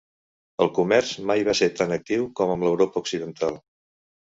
El comerç mai va ser tan actiu com en l'Europa occidental.